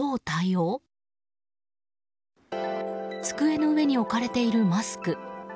机の上に置かれているマスク。